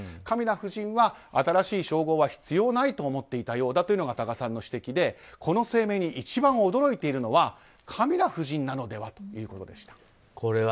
カミラ夫人は新しい称号は必要ないと思っていたようだというのが多賀さんの指摘でこの声明に一番驚いているのはカミラ夫人なのではということでした。